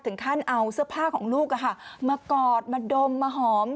ถึงขั้นเอาเสื้อผ้าของลูกมากอดมาดมมาหอม